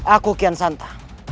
aku kian santa